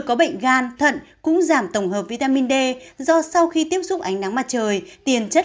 có bệnh gan thận cũng giảm tổng hợp vitamin d do sau khi tiếp xúc ánh nắng mặt trời tiền chất